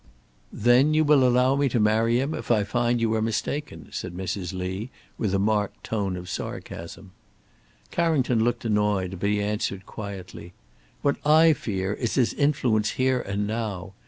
"Then you will allow me to marry him if I find that you are mistaken," said Mrs. Lee, with a marked tone of sarcasm. Carrington looked annoyed, but he answered quietly, "What I fear is his influence here and now.